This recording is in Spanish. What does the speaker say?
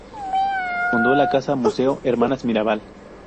Fundó la Casa Museo Hermanas Mirabal.